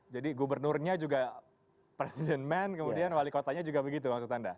jadi gubernurnya juga presiden men kemudian wali kotanya juga begitu maksud anda